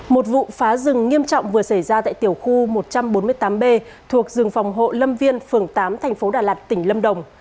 một vụ phá rừng nghiêm trọng vừa xảy ra tại tiểu khu một trăm bốn mươi tám b thuộc rừng phòng hộ lâm viên phường tám thành phố đà lạt tỉnh lâm đồng